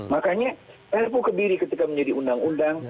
makanya perpu kediri ketika menjadi undang undang